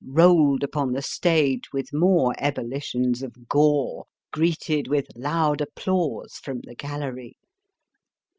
rolled upon the stage with more ehullitions of gore greeted with loud applause from the gaUery.